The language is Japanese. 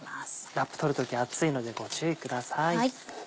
ラップ取る時熱いのでご注意ください。